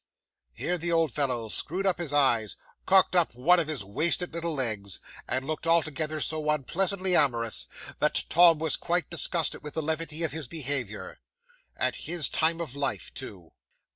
Here the old fellow screwed up his eyes, cocked up one of his wasted little legs, and looked altogether so unpleasantly amorous, that Tom was quite disgusted with the levity of his behaviour at his time of life, too!